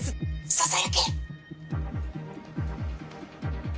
ささやけ。